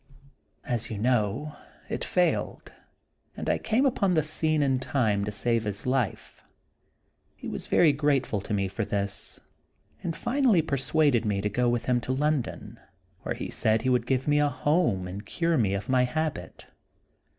As you know, it failed, and I came upon the scene in time to save his life. He was very grate ful to me for this ; and finally persuaded me to go with him to London, where he said Dr. Jekyll and Mr. Hyde. 33 he would give me a home, and cure me of my habit.